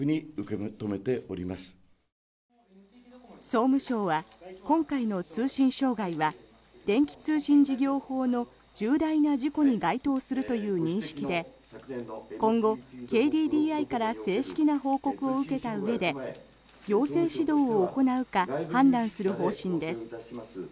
総務省は今回の通信障害は電気通信事業法の重大な事故に該当するという認識で今後、ＫＤＤＩから正式な報告を受けたうえで行政指導を行うか判断する方針です。